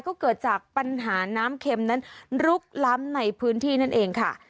ก็เกิดจากปัญหาน้ำเข็มนั้นลุกล้ำในพื้นที่นั่นเองค่ะ